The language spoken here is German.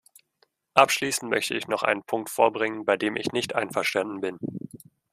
Abschließend möchte ich noch einen Punkt vorbringen, bei dem ich nicht einverstanden bin.